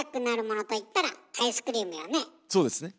そうですね。